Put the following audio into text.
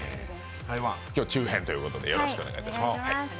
今日は中編ということでよろしくお願いします。